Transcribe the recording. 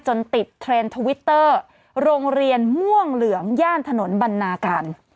ติดเทรนด์ทวิตเตอร์โรงเรียนม่วงเหลืองย่านถนนบรรณาการ